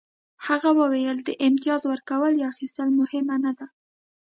هغه وویل د امتیاز ورکول یا اخیستل مهمه نه ده